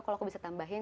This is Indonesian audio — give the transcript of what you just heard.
kalau aku bisa tambahin